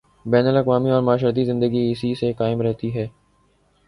بین الاقوامی اورمعاشرتی زندگی اسی سے قائم رہتی ہے۔